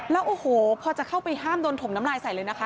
แล้วโอ้โหพอจะเข้าไปห้ามโดนถมน้ำลายใส่เลยนะคะ